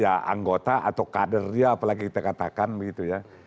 ya anggota atau kader dia apalagi kita katakan begitu ya